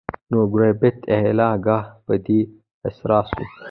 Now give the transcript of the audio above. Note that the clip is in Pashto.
نو ګوربت ایله آګاه په دې اسرار سو